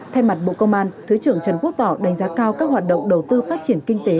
thay mặt bộ công an thứ trưởng trần quốc tỏ đánh giá cao các hoạt động đầu tư phát triển kinh tế